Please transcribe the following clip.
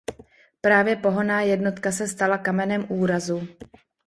Právě pohonná jednotka se stala kamenem úrazu.